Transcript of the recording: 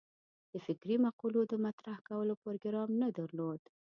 د فکري مقولو د مطرح کولو پروګرام نه درلود.